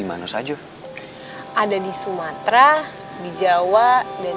kenapa lo disuruh ambilin